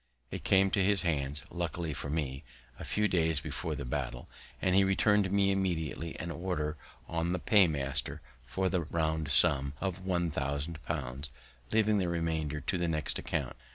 It came to his hands, luckily for me, a few days before the battle, and he return'd me immediately an order on the paymaster for the round sum of one thousand pounds, leaving the remainder to the next account.